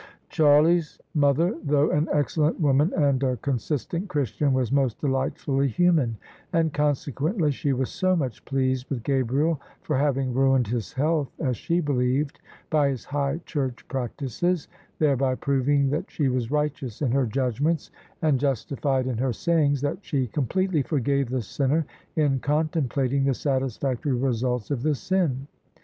Charlie's mother, though an excellent woman and a con sistent Christian, was most delightfully human; and conse quently she was so much pleased with Gabriel for having ruined his health (as she believed) by his high church practices, thereby proving that she was righteous in her judgments and justified in her sayings, that she completely forgave the sinner in contemplating the satisfactory results of the sin.